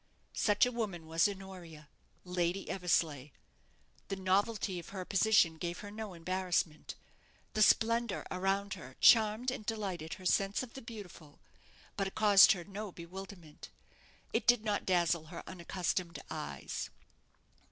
Such a woman was Honoria, Lady Eversleigh. The novelty of her position gave her no embarrassment; the splendour around her charmed and delighted her sense of the beautiful, but it caused her no bewilderment; it did not dazzle her unaccustomed eyes.